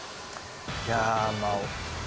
いやまあ。